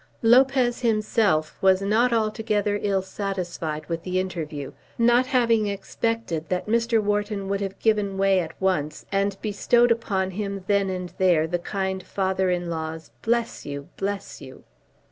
Lopez himself was not altogether ill satisfied with the interview, not having expected that Mr. Wharton would have given way at once, and bestowed upon him then and there the kind father in law's "bless you, bless you!"